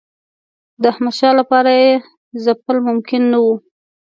د احمدشاه لپاره یې ځپل ممکن نه وو.